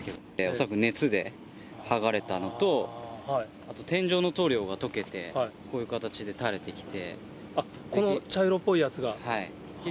恐らく熱で剥がれたのと、あと天井の塗料が溶けて、こういう形で垂れてきて。